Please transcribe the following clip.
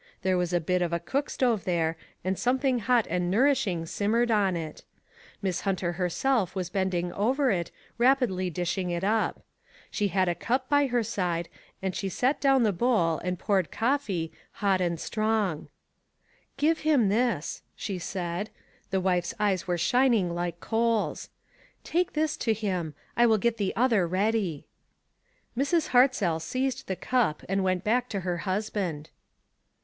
There was a bit of a cookstove there, and something hot and nourishing simmered on it. Miss Hunter herself was bending over it, rapidly dishing it up. She had a cup by her side, and she sat down A NIGHT TO REMEMBER. $07 the bowl, and poured coffee, hot and strong. "Give him this," she said. The wife's eyes were shining like coals. "Take this to him ; I will get the other ready." Mrs. Hartzell seized the cup, and went back to her husband.